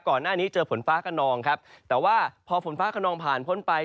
ก่อนหน้านี้เจอฝนฟ้าขนองครับแต่ว่าพอฝนฟ้าขนองผ่านพ้นไป